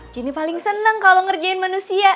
jinny paling senang kalau ngerjain manusia